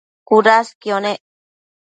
cudasquio nec